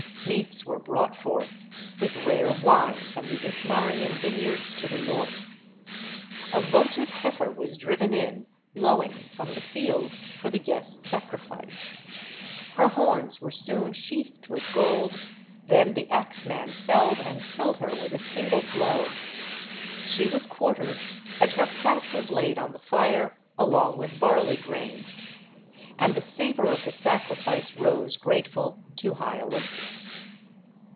Meats were brought forth, with rare wine from the Ismarian vine yards to the north. A votive heifer was driven in, lowing, from the fields, for the guest sacrifice. Her horns were soon sheathed with gold; then the ax man felled and killed her with a single blow. She was quartered, and her fat was laid on the fire, along with barley grain. And the savor of the sacrifice rose, grate ful, to high Olympus.